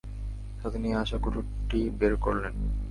সাথে নিয়ে আসা কুঠারটি বের করলেন।